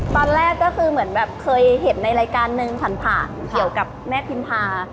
ตอนแรกก็คือเหมือนแบบเคยเห็นในรายการนึงผ่านผ่านเกี่ยวกับแม่พิมพา